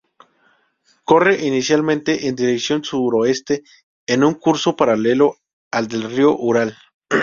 Corre inicialmente en dirección Suroeste, en un curso paralelo al del río Ural.